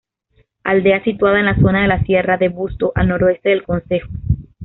Aldea situada en la zona de la sierra de Busto, al noroeste del concejo.